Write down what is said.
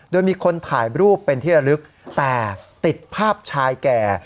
โดยมีคนถ่ายรูปเป็นที่ระลึกแต่ติดภาพชายแก่